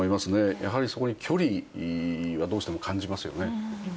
やはりそこに距離はどうしても感じますよね。